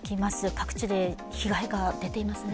各地で被害が出ていますね。